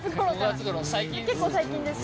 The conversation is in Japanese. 結構最近ですね。